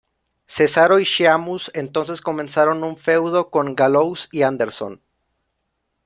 Cesaro y Sheamus entonces comenzaron un feudo con Gallows y Anderson.